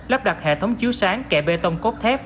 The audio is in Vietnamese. lắp đặt hệ thống chiếu sáng kè bê tông cốt thép